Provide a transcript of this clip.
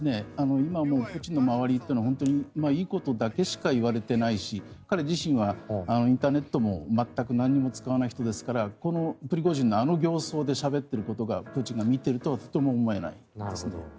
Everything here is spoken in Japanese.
今、もうプーチンの周りというのはいいことだけしか言われてないし彼自身はインターネットも全く何も使わない人ですからこのプリゴジン氏のあの形相でしゃべってることがプーチンが見ているとはとても思えないですね。